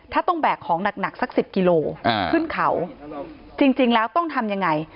ถ้าต้องแบกของหนักสัก๑๐กิโลขึ้นเขาจริงแล้วต้องทำยังไง